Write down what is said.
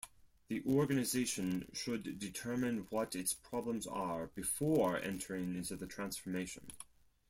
The organization should determine what its problems are before entering into the transformation.